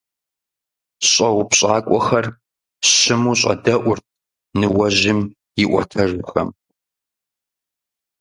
ЩӀэупщӀакӀуэхэр щыму щӀэдэӀурт ныуэжьым и Ӏуэтэжхэм.